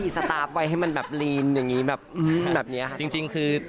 จริงวิธีสตาร์ฟก็คือ